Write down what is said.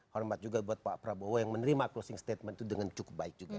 hormat juga buat pak prabowo yang menerima closing statement itu dengan cukup baik juga